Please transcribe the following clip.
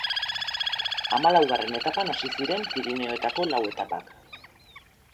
Hamalaugarren etapan hasi ziren Pirinioetako lau etapak.